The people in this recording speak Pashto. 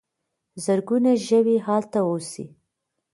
زرګونه ژوي هلته اوسي.